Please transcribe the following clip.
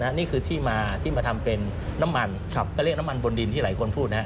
นี่คือที่มาที่มาทำเป็นน้ำมันก็เรียกน้ำมันบนดินที่หลายคนพูดนะ